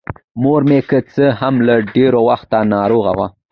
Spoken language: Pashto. مـور مـې کـه څـه هـم له ډېـره وخـته نـاروغـه وه.